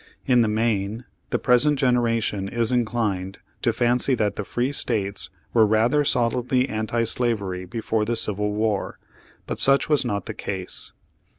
In the main the present generation is in clined to fancy that the free States were rather solidly anti slavery before the Civil War. But such was not the case.